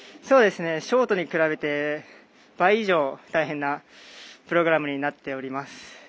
ショートに比べて倍以上、大変なプログラムになっております。